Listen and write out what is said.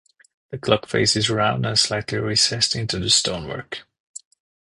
The clock face is round and slightly recessed into the stonework.